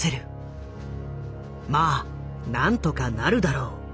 「まあなんとかなるだろう」。